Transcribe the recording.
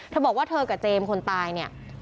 เธอบอกว่าเธอกับเจมส์คนตายเนี่ย